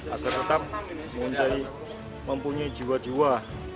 agar tetap mempunyai jiwa jiwa